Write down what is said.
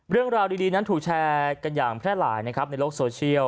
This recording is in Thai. เรื่องราวดีนั้นถูกแชร์กันอย่างแพร่หลายนะครับในโลกโซเชียล